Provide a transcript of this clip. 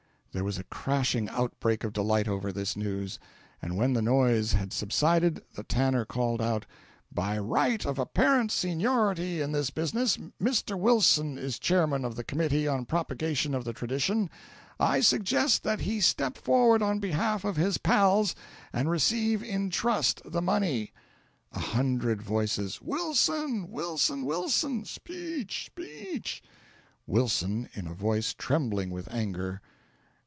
There was a crashing outbreak of delight over this news, and when the noise had subsided, the tanner called out: "By right of apparent seniority in this business, Mr. Wilson is Chairman of the Committee on Propagation of the Tradition. I suggest that he step forward on behalf of his pals, and receive in trust the money." A Hundred Voices. "Wilson! Wilson! Wilson! Speech! Speech!" Wilson (in a voice trembling with anger).